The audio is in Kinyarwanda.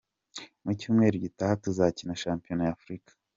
Mu cyumweru gitaha tuzakina shampiyona ya Africa.